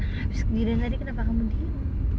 habis kejadian tadi kenapa kamu diam